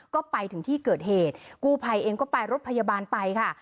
ก็ไปถึงที่เกิดเหตุกู้ภัยเองก็ไปรถพยาบาลไปค่ะ